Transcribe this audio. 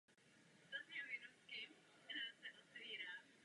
Nemá smysl říkat mi, že Joaquín Almunia neřekl, co řekl.